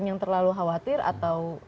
yang terlalu khawatir atau